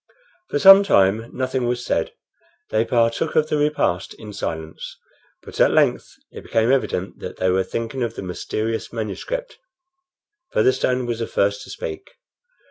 For some time nothing was said; they partook of the repast in silence; but at length it became evident that they were thinking of the mysterious manuscript. Featherstone was the first to speak.